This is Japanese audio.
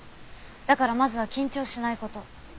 だからまずは緊張しないこと。